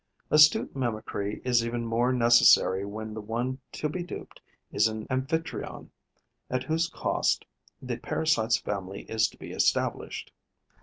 Astute mimicry is even more necessary when the one to be duped is an amphitryon at whose cost the parasite's family is to be established.